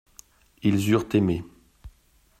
Ils eurent aimé.